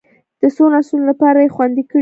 د څو نسلونو لپاره یې خوندي کړي.